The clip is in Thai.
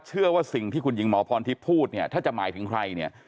เชื่อว่าสิ่งที่คุณหญิงหมอพรทิพย์พูดเนี่ยถ้าจะหมายถึงใครเนี่ย